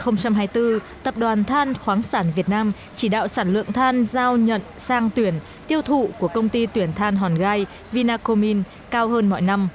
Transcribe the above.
năm hai nghìn hai mươi bốn tập đoàn than khoáng sản việt nam chỉ đạo sản lượng than giao nhận sang tuyển tiêu thụ của công ty tuyển than hòn gai vinacomin cao hơn mọi năm